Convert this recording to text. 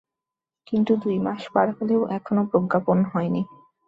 কিন্তু দুই মাস পার হলেও এখনো প্রজ্ঞাপন হয়নি।